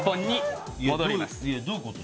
どういうことだ？